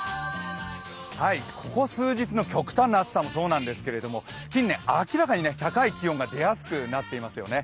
ここ数日の極端な暑さもそうなんですけれども、近年明らかに高い気温が出やすくなっていますよね。